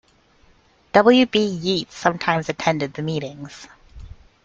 W. B. Yeats sometimes attended the meetings.